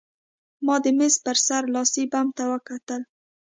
ما د مېز په سر لاسي بم ته وکتل